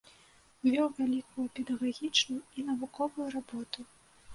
Вёў вялікую педагагічную і навуковую работу.